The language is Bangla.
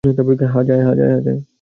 হ্যাঁ, যায়।